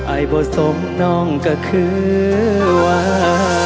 ไอ้บ่สมน้องก็คือว่า